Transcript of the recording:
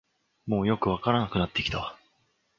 もうよくわからなくなってきた